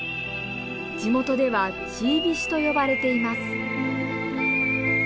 地元では「チービシ」と呼ばれています。